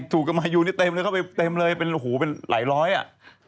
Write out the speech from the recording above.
ถูกกันมายูนี่เต็มเลยเข้าไปเต็มเลยเป็นโอ้โหเป็นหลายร้อยอ่ะ